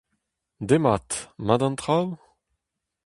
Demat. Mat an traoù ?